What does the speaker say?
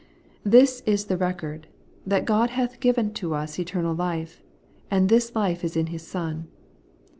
'This is the record, that God hath given to us eternal life, and this life is in His Son.'